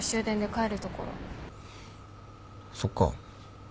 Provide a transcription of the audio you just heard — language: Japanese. そっか。